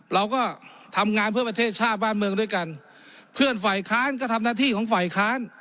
เราก็ทำงานเพื่อประเทศชาติบ้านเมืองด้วยกันเพื่อนฝ่ายค้านก็ทำหน้าที่ของฝ่ายค้าน